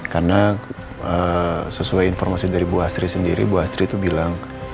karena sesuai informasi dari bu astri sendiri bu astri itu bilang